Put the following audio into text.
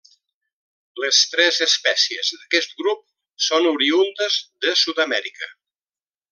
Les tres espècies d'aquest grup són oriündes de Sud-amèrica.